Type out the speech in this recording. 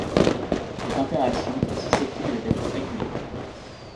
Cette interaction est susceptible d'être régulée.